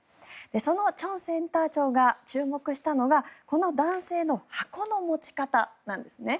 そのチョンセンター長が注目したのがこの男性の箱の持ち方なんですね。